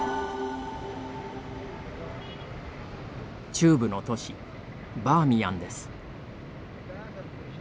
中部の都市、バーミヤンです。